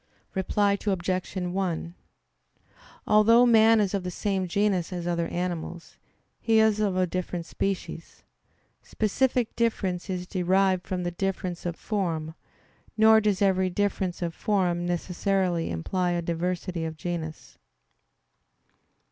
Reply Obj. 1: Although man is of the same genus as other animals, he is of a different species. Specific difference is derived from the difference of form; nor does every difference of form necessarily imply a diversity of genus.